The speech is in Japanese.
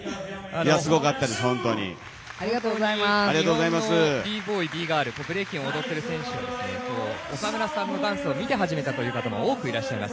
日本のＢＢＯＹＢＧＩＲＬブレイキンを踊っている選手は岡村さんのダンスを見て始めたという方も多くいらっしゃいます。